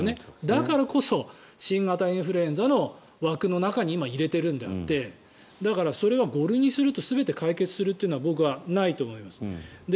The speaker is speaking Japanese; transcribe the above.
だからこそ新型インフルエンザの枠の中に今、入れているのであってそれは５類にすると全て解決するというのは僕は、ないと思います。